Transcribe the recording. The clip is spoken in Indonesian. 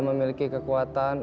pasti bisa alda menang